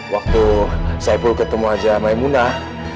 waktu saipul ketemu aja maemunah